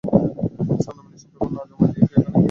Sir, nomination paper না জমা দিয়েই এখানে কেন এসেছেন?